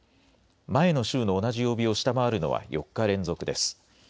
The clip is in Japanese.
前の週の同じ曜日を下回るのは４日連続です。